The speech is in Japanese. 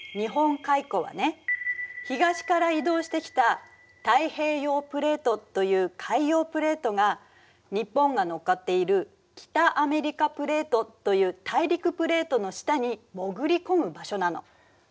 東から移動してきた太平洋プレートという海洋プレートが日本が乗っかっている北アメリカプレートという大陸プレートの下に潜り込む場所なの。